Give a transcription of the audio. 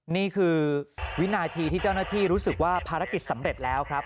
นี่คือวินาทีที่เจ้าหน้าที่รู้สึกว่าภารกิจสำเร็จแล้วครับ